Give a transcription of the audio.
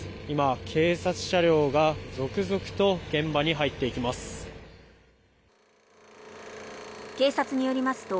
今、警察車両が続々と現場に入っていきます。